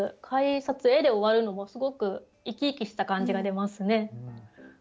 「改札へ」で終わるのもすごく生き生きした感じが出ますね。